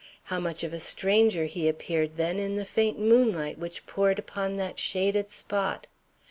How much of a stranger he appeared, then, in the faint moonlight which poured upon that shaded spot!